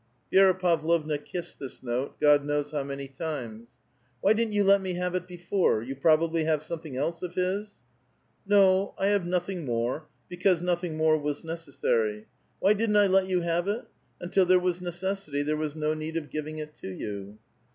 Vi^ra Pavlovna kissed this note, God knows how many times. " Why didn't you let me have it before. You probably have something else of his ?"" No, I have nothing more, because nothing more was necessar}'. Why didn't I let you have it? Until there was necessity, there was no need of giving it to you."